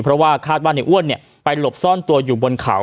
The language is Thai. เพราะว่าคาดว่าในอ้วนไปหลบซ่อนตัวอยู่บนเขา